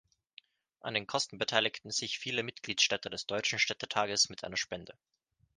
An den Kosten beteiligten sich viele Mitgliedsstädte des deutschen Städtetages mit einer Spende.